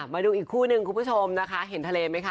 มาดูอีกคู่นึงคุณผู้ชมนะคะเห็นทะเลไหมคะ